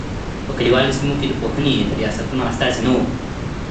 په کلیوالو سیمو کي د پوهنې د ریاستونو استازي نه وو.